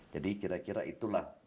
jadi kira kira itulah